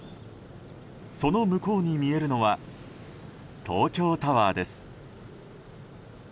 その向こうに見えるのは東京タワーです。